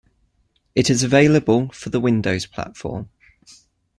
It is available for the Windows platform.